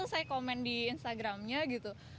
saya komen di instagramnya gitu